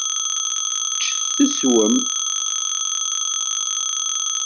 Ččet teswem.